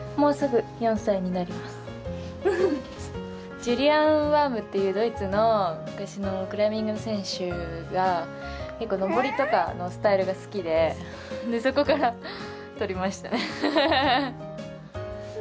ジュリアン・ワームっていうドイツの昔のクライミングの選手が登りとかのスタイルが好きでそこから取りました。